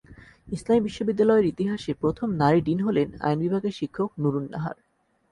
ইসলামী বিশ্ববিদ্যালয়ের ইতিহাসে প্রথম নারী ডিন হলেন আইন বিভাগের শিক্ষক নুরুন নাহার।